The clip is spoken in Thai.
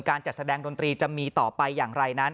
การจัดแสดงดนตรีจะมีต่อไปอย่างไรนั้น